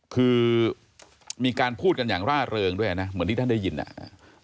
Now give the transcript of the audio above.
คือมีการพูดกันอย่างร่าเริงด้วยนะเหมือนที่ท่านได้ยินอ่ะ